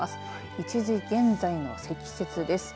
１時現在の積雪です。